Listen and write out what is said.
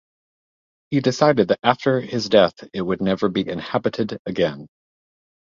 He decided that after his death it would never be inhabited again.